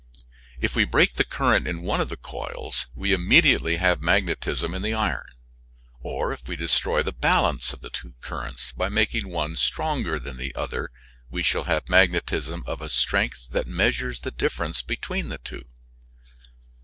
If we break the current in one of the coils we immediately have magnetism in the iron; or if we destroy the balance of the two currents by making one stronger than the other we shall have magnetism of a strength that measures the difference between the two.